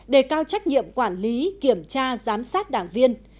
đề cao trách nhiệm quản lý kiểm tra giám sát đảng viên